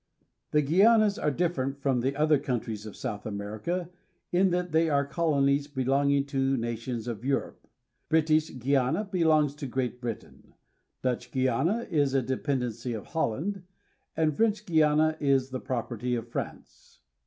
THE Guianas are different from the other countries of South America in that they are colonies belonging to nations of Europe. British Guiana belongs to Great Britain, Dutch Guiana is a dependency of Holland, and French Guiana is the property of France.